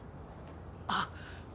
あっ。